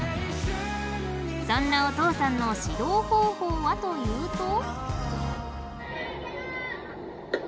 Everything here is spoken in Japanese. そんなお父さんの指導方法はというと。